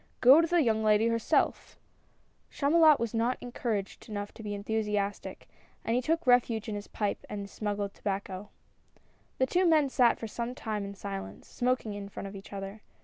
Go to the young lady herself !" Chamulot was not encouraged enough to be enthusi astic, and he took refuge in his pipe and his smuggled tobacco. The two men sat for some time in silence, smoking in front of each other.